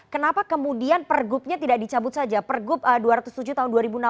kenapa kemudian pergubnya tidak dicabut saja pergub dua ratus tujuh tahun dua ribu enam belas